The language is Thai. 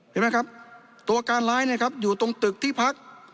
เห็นไหมครับตัวการร้ายนะครับอยู่ตรงตึกที่พัก